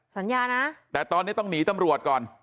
สัญญานะแต่ตอนนี้ต้องหนีตำรวจก่อน